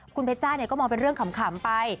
คุณเพชจ้าก็มองเป็นเรื่องขำไป